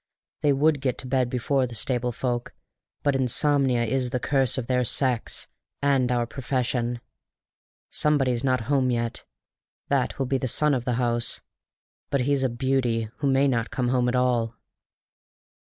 They would get to bed before the stable folk, but insomnia is the curse of their sex and our profession. Somebody's not home yet; that will be the son of the house; but he's a beauty, who may not come home at all."